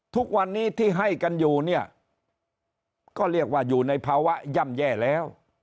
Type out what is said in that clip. ทุกวันนี้ที่ให้กันอยู่เนี่ยก็เรียกว่าอยู่ในภาวะย่ำแย่แล้ว